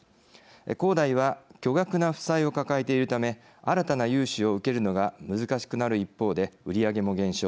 恒大は巨額な負債を抱えているため新たな融資を受けるのが難しくなる一方で売り上げも減少。